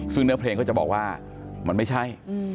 ซึ่งเนื้อเพลงก็จะบอกว่ามันไม่ใช่